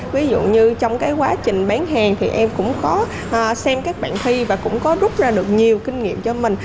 ví dụ như trong cái quá trình bán hàng thì em cũng có xem các bạn thi và cũng có rút ra được nhiều kinh nghiệm cho mình